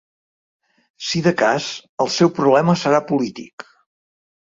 Si de cas, el seu problema serà polític.